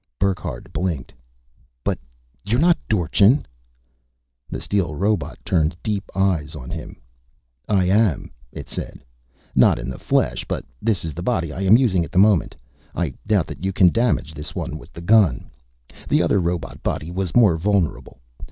Burckhardt blinked. "But you're not Dorchin!" The steel robot turned deep eyes on him. "I am," it said. "Not in the flesh but this is the body I am using at the moment. I doubt that you can damage this one with the gun. The other robot body was more vulnerable.